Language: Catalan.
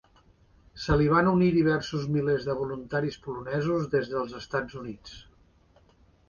Se li van unir diversos milers de voluntaris polonesos des dels Estats Units.